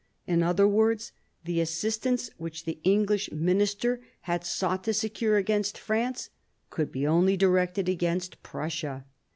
In other words, the assistance which the English ministry had sought to secure against France could be only directed against Prussia.